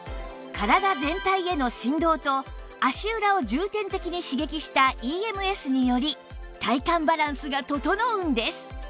体全体への振動と足裏を重点的に刺激した ＥＭＳ により体幹バランスが整うんです